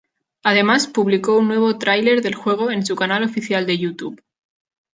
Además, publicó un nuevo tráiler del juego en su canal oficial de YouTube.